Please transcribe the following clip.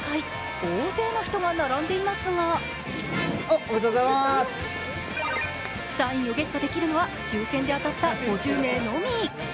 大勢の人が並んでいますがサインをゲットできるのは抽選で当たった５０名のみ。